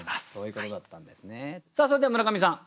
さあそれでは村上さん